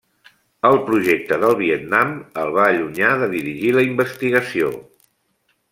El projecte del Vietnam el va allunyar de dirigir la investigació.